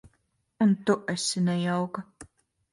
Un tu esi nejauka.